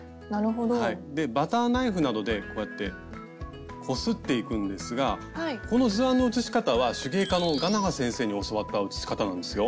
でバターナイフなどでこうやってこすっていくんですがこの図案の写し方は手芸家のがなは先生に教わった写し方なんですよ。